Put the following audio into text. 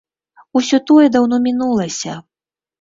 Усё тое даўно мінулася.